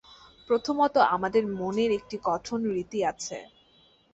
প্রথমত আমাদের মনের একটি গঠন-রীতি আছে।